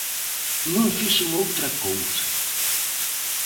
Non fixen outra cousa.